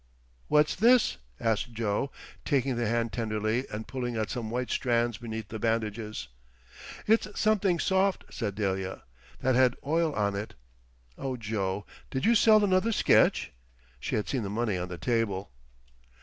"What's this?" asked Joe, taking the hand tenderly and pulling at some white strands beneath the bandages. "It's something soft," said Delia, "that had oil on it. Oh, Joe, did you sell another sketch?" She had seen the money on the table.